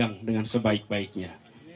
dan pegang dengan sebaik baiknya